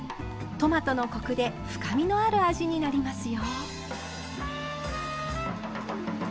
トマトのコクで深みのある味になりますよ。